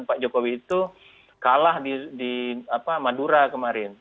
pak jokowi itu kalah di madura kemarin